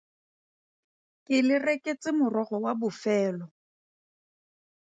Ke le reketse morogo wa bofelo.